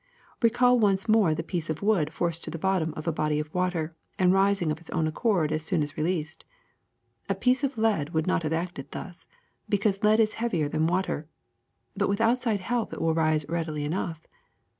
Recall once more the piece of wood forced to the bottom of a body of water and rising of its own accord as soon as released. A piece of lead would not have acted thus, because lead is heavier than water ; but with outside help it will rise readily enough.